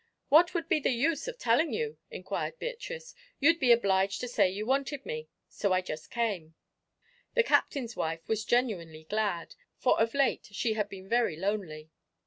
"What would be the use of telling you?" inquired Beatrice. "You'd be obliged to say you wanted me, so I just came." The Captain's wife was genuinely glad, for of late she had been very lonely.